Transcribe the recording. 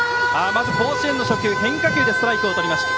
まず甲子園の初球変化球でストライクをとりました。